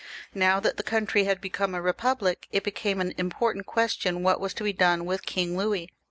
Now that the country had become a republic, it became an important question what was to be done with King Louis.